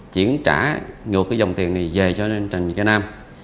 chuyển trả ngược cái dòng tiền này về cho trành viên nam